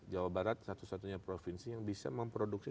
jawa barat satu satunya provinsi yang bisa memproduksi